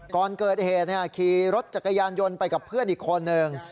ก่อนเกิดเหตุขี่รถจักรยานยนต์ไปกับเพื่อนอีกคนนึง